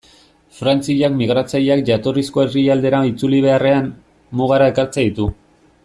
Frantziak migratzaileak jatorrizko herrialdera itzuli beharrean, mugara ekartzen ditu.